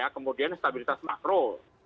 kemudian stabilitas makro